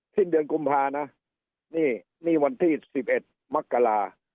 สิ้นเดือนกุมภานะนี่นี่วันที่สิบเอ็ดมักกะลา